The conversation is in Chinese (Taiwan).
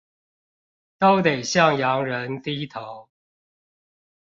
都得向洋人低頭